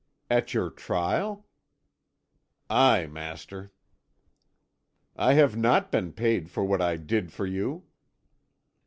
"At your trial?" "Aye, master." "I have not been paid for what I did for you."